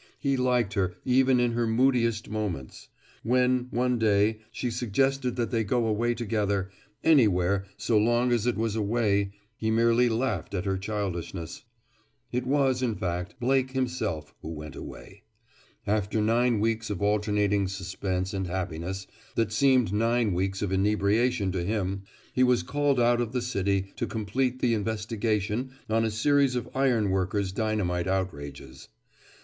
He liked her even in her moodiest moments. When, one day, she suggested that they go away together, anywhere so long as it was away, he merely laughed at her childishness. It was, in fact, Blake himself who went away. After nine weeks of alternating suspense and happiness that seemed nine weeks of inebriation to him, he was called out of the city to complete the investigation on a series of iron workers' dynamite outrages.